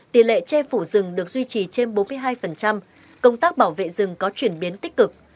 tỷ lệ che phủ rừng được duy trì trên bốn mươi hai công tác bảo vệ rừng có chuyển biến tích cực